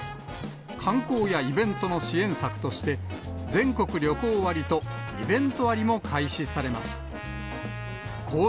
観光やイベントの支援策として、全国旅行割とイベント割も開始されます。